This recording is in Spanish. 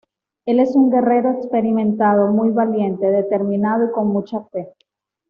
Él es un guerrero experimentado, muy valiente, determinado, y con mucha fe.